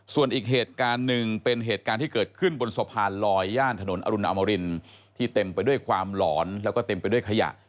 ส่วนอีกเหตุการณ์หนึ่งเป็นเหตุการณ์ที่เกิดขึ้นบนสะพานลอยย่านถนนอรุณอมรินที่เต็มไปด้วยความหลอนแล้วก็เต็มไปด้วยขยะ